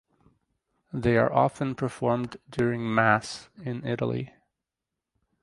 They are often performed during Mass in Italy.